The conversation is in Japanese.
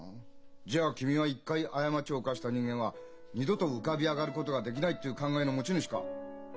じゃあ君は「一回過ちを犯した人間は二度と浮かび上がることができない」っていう考えの持ち主か？